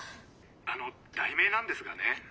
☎あの題名なんですがね。